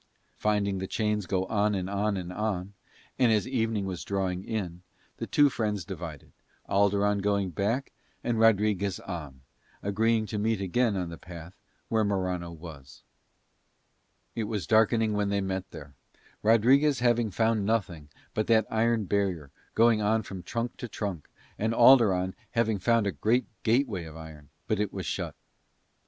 Finding the chains go on and on and on, and as evening was drawing in, the two friends divided, Alderon going back and Rodriguez on, agreeing to meet again on the path where Morano was. It was darkening when they met there, Rodriguez having found nothing but that iron barrier going on from trunk to trunk, and Alderon having found a great gateway of iron; but it was shut.